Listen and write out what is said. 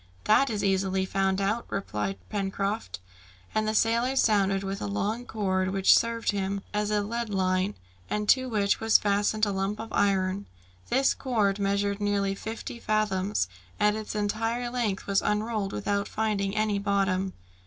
"That is easily found out," replied Pencroft. And the sailor sounded with a long cord, which served him as a lead line, and to which was fastened a lump of iron. This cord measured nearly fifty fathoms, and its entire length was unrolled without finding any bottom.